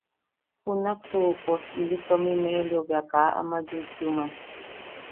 Junaksu uʼu pos ili tomi melio bea ka ama yuyyuman.